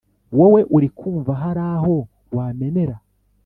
wowe urikumva haraho wamenera”